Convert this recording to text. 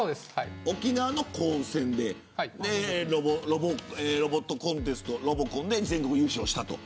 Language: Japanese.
沖縄の高専でロボットコンテストロボコンで全国優勝したと。